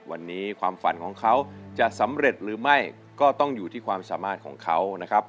วันนี้ความฝันของเขาจะสำเร็จหรือไม่ก็ต้องอยู่ที่ความสามารถของเขานะครับ